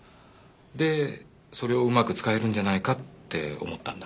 でそれをうまく使えるんじゃないかって思ったんだ。